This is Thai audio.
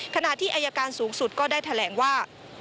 ขณะที่อายการสูงสุดก็ได้แถลงว่า